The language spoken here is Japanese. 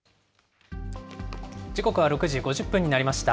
時刻は６時５０分になりました。